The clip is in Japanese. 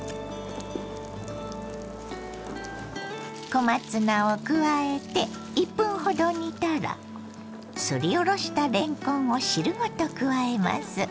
小松菜を加えて１分ほど煮たらすりおろしたれんこんを汁ごと加えます。